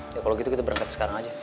ya kalau gitu kita berangkat sekarang aja